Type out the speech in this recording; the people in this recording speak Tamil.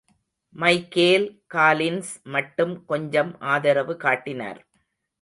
மைக்கேல் காலின்ஸ் மட்டும் கொஞ்சம் ஆதரவு காட்டினார்.